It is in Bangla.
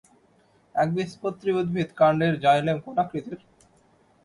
একবীজপত্রী উদ্ভিদ কাণ্ডের জাইলেম কোন আকৃতির?